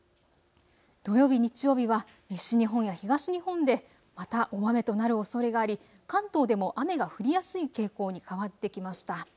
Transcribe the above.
土曜日、日曜日は西日本や東日本でまた大雨となるおそれがあり関東でも雨が降りやすい傾向に変わってきました。